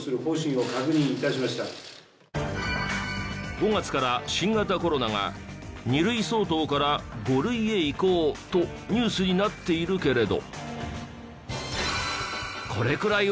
５月から新型コロナが２類相当から５類へ移行とニュースになっているけれど。